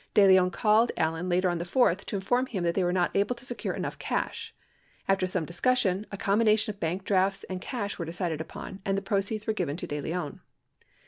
De Leon called Allen later on the 4th to inform him that they were not able to secure enough cash. After some discussion, a combination of bank drafts and cash were decided upon and the proceeds were given to De Leon.